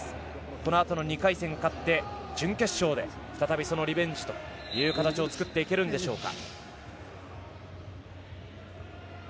このあとの２回戦勝って準決勝で再びそのリベンジという形を作っていけるんでしょうか。